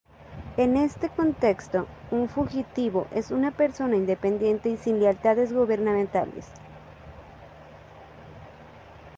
En este contexto un fugitivo es una persona independiente y sin lealtades gubernamentales.